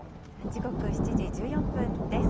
時刻７時１４分です。